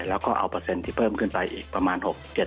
แล้วก็เอาเปอร์เซ็นต์ที่เพิ่มขึ้นไปอีกประมาณ๖๗